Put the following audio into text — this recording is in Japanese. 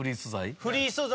フリー素材。